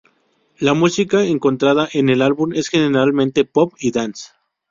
La música encontrada en el álbum es generalmente pop y dance.